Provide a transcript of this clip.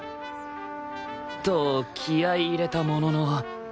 と気合入れたものの